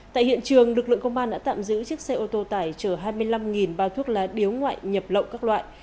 tại hiện trường lực lượng công an đã tạm giữ chiếc xe ô tô tải chở hai mươi năm bao thuốc lá điếu ngoại nhập lậu các loại